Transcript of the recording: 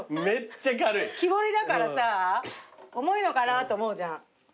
木彫りだからさ重いのかなと思うじゃん。